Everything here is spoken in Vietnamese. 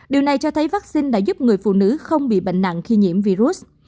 điều này cho thấy vaccine đã giúp người phụ nữ không bị bệnh nặng khi nhiễm virus